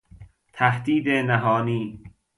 تهدید نهانی